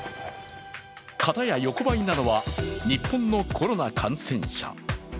片や横ばいなのは日本のコロナ感染者。